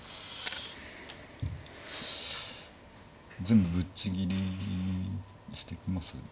全部ぶっちぎりにしてきます。